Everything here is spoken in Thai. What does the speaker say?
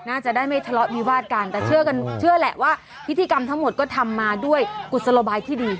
น่าจะได้ไม่ทะเลาะวิวาดกันแต่เชื่อกันเชื่อแหละว่าพิธีกรรมทั้งหมดก็ทำมาด้วยกุศโลบายที่ดี